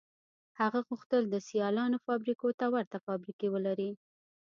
هغه غوښتل د سیالانو فابریکو ته ورته فابریکې ولري